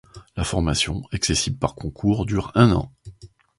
La formation, accessible par concours, dure un an.